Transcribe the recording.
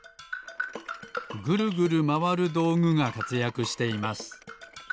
ぐるぐるまわるどうぐがかつやくしています。